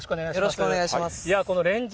よろしくお願いします。